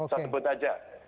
saya sebut saja